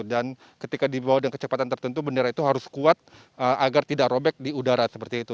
ketika dibawa dengan kecepatan tertentu bendera itu harus kuat agar tidak robek di udara seperti itu